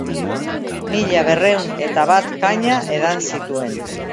Mila berrehun eta bat kaña edan zituen.